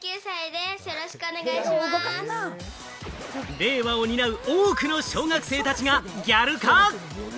令和を担う多くの小学生たちがギャル化！